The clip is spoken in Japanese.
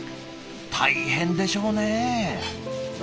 大変でしょうね。